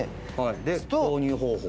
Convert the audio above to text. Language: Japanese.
で購入方法。